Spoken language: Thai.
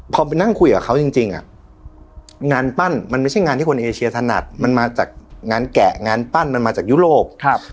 พอไปนั่งคุยกับเขาจริงงานปั้นมันไม่ใช่งานที่คนเอเชียถนัดมันมาจากงานแกะงานปั้นมันมาจากยุโรป